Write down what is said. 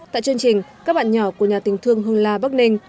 tại chương trình các bạn nhỏ của nhà tình thương hương la bắc ninh